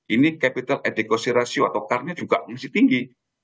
ini capital adegosi ratio atau car nya juga masih tinggi